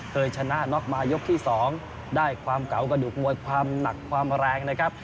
เคยชนะน็อกมายกที่๒ได้ความเก่ากระดูกมวยความหนักความแรงนะครับ